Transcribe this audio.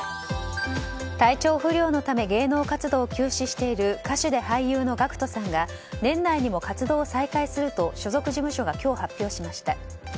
体調不良のため芸能活動を休止している歌手で俳優のＧＡＣＫＴさんが年内にも活動を再開すると所属事務所が今日、発表しました。